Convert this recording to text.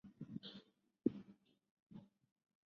该桥连接了皇后区和曼哈顿两地。